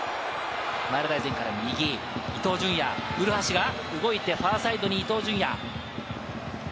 前田から右、伊東純也、古橋が動いて、ファーサイドに伊東純也。